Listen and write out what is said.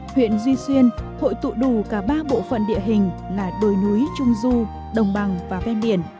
huyện duy xuyên hội tụ đủ cả ba bộ phận địa hình là đồi núi trung du đồng bằng và ven biển